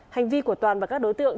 hành vi của toàn và các đối tượng